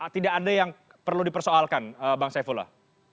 tidak ada yang perlu dipersoalkan bang saifullah